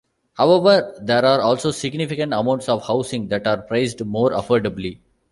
However, there are also significant amounts of housing that are priced more affordably.